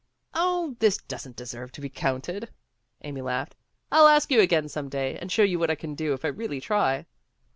"Oh, this doesn't deserve to be counted," Amy laughed. "I'll ask you again some day and show you what I can do if I really try."